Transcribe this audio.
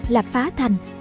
là phá thành